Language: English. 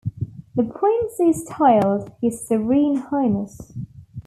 The Prince is styled "His Serene Highness".